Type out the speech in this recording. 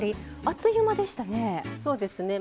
あっという間でしたね。